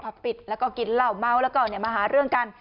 พอปิดแล้วก็กินเหล้าเมาแล้วก็มาหาเรื่องกัน